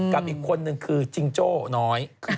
กับอีกคนนึงคือจิงโจ้น้อย